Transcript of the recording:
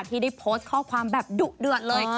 ที่ได้โพสต์ข้อความแบบดุเดือดเลย